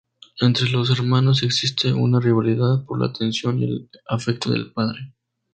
Entre los hermanos existe una rivalidad por la atención y el afecto del padre.